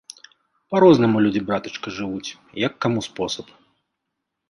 Па-рознаму людзі, братачка, жывуць, як каму спосаб.